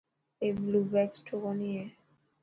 اي بلو بيگ سٺو ڪوني هي.